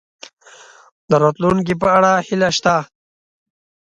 د راتلونکي په اړه هیله شته؟